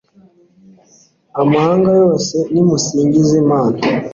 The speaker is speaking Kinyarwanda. amahanga yose, nimusingize imana